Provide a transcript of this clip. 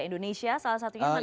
indonesia salah satunya mana lagi